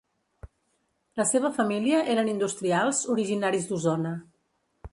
La seva família eren industrials originaris d'Osona.